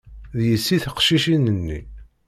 D yessi teqcicin-nni.